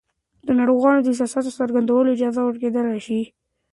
د ناروغ د احساساتو څرګندولو اجازه ورکړل شي.